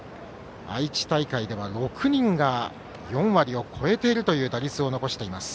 愛知大会では６人が４割を超える打率を残しています。